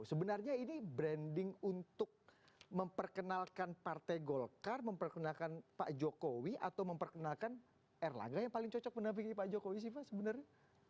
sebenarnya ini branding untuk memperkenalkan partai golkar memperkenalkan pak jokowi atau memperkenalkan erlangga yang paling cocok mendampingi pak jokowi sih pak sebenarnya